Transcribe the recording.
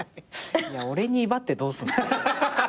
いや俺に威張ってどうする。